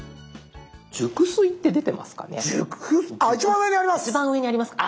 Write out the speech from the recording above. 「熟睡」って出てますかね。